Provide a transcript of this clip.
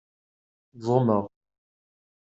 Ẓumeɣ.